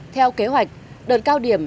theo kế hoạch đợt cao điểm